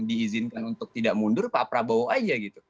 diizinkan untuk tidak mundur pak prabowo aja gitu